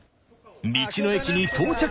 道の駅に到着。